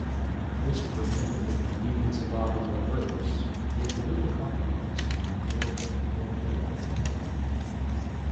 This permitted the convenience of auto-reverse with little compromise in record or playback quality.